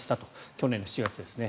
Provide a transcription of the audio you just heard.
去年７月ですね。